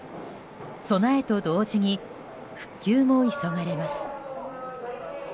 備えと同時に復旧も急がれます。